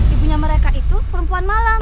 ibunya mereka itu perempuan malang